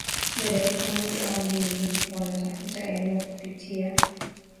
ya dakika moja au mbili Wanatafuta eneo kupitia